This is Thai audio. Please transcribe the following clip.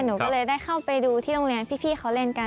หนูก็เลยได้เข้าไปดูที่โรงเรียนพี่เขาเล่นกัน